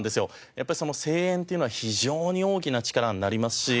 やっぱりその声援っていうのは非常に大きな力になりますし。